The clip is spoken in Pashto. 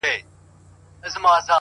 د موخې وضاحت د لارې نیمه اسانتیا ده؛